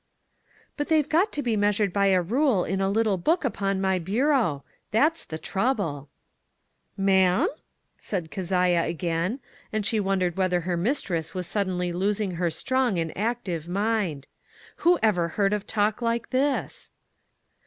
"But they've got to be measured by a rule in a little bo.ok upon my bureau; that's the trouble." MISS WAINWRIGHT S " MUDDLE. 2Q " Ma'am ?" said Keziah again, and she wondered whether her mistress was suddenly losing her strong and active mind. Who ever heard of talk like this!